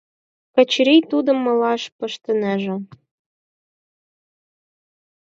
Качырий тудым малаш пыштынеже.